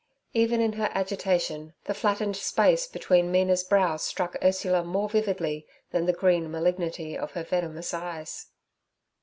Even in her agitation the flattened space between Mina's brows struck Ursula more vividly than the green malignity of her venomous eyes.